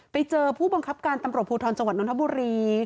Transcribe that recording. ไปเจอผู้บังคับการตำรวจภูทรจังหวัดนทบุรี